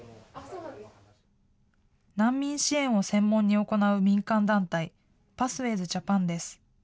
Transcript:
難民支援を専門に行う民間団体、パスウェイズ・ジャパンです。